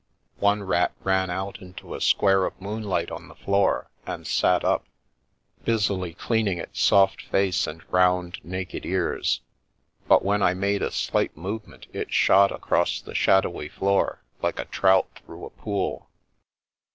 One rat ran out into a square of moonlight on the floor, and sat up, busily cleaning its soft face and round naked ears, but when I made a slight movement it shot across the shadowy floor like a trout through a pool.